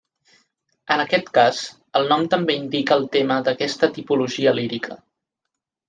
En aquest cas, el nom també indica el tema d'aquesta tipologia lírica.